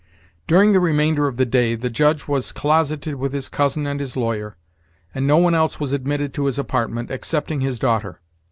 During the remainder of the day, the Judge was closeted with his cousin and his lawyer; and no one else was admitted to his apartment, excepting his daughter.